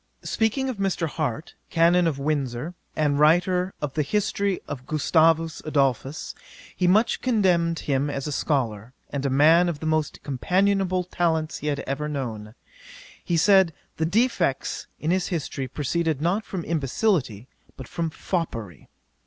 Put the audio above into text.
'Speaking of Mr. Harte, Canon of Windsor, and writer of The History of Gustavus Adolphus, he much commended him as a scholar, and a man of the most companionable talents he had ever known. He said, the defects in his history proceeded not from imbecility, but from foppery.